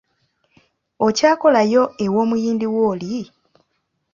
Okyakolayo ew'omuyindi wo oli?